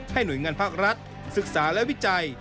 หน่วยงานภาครัฐศึกษาและวิจัย